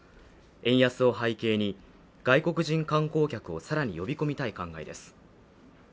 円安を背景に、外国人観光客を更に呼び込みたい考えです。